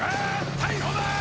逮捕だー！